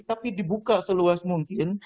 tapi dibuka seluas mungkin